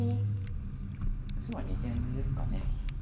白は二間ですか。